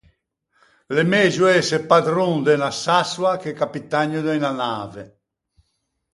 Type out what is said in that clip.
L’é megio ëse padron de unna sassoa che capitanio de unna nave.